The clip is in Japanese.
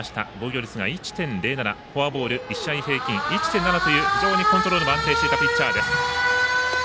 フォアボール１試合平均１．７という非常にコントロールも安定していたピッチャーです。